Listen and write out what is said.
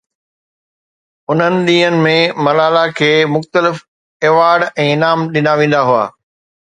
انهن ڏينهن ۾ ملاله کي مختلف ايوارڊ ۽ انعام ڏنا ويندا هئا.